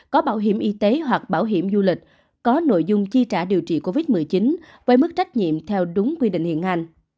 có bảo hiểm y tế hoặc bảo hiểm du lịch có nội dung chi trả điều trị covid một mươi chín với mức trách nhiệm theo đúng quy định hiện hành